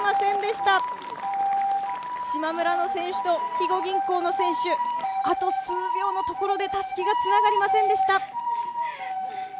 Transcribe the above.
しまむらの選手と肥後銀行の選手、あと数秒のところでたすきがつながりませんでした。